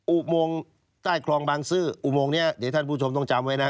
อุโมงใต้คลองบางซื่ออุโมงนี้เดี๋ยวท่านผู้ชมต้องจำไว้นะ